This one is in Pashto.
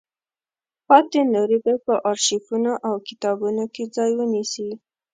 پاتې نورې به په ارشیفونو او کتابونو کې ځای ونیسي.